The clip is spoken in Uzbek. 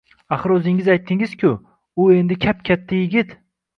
Axir oʻzingiz aytdingiz-ku – u endi kap-katta yigit!